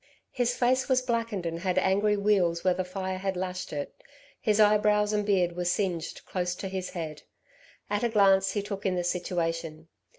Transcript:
His face was blackened and had angry weals where the fire had lashed it. His eyebrows and beard were singed close to his head. At a glance he took in the situation.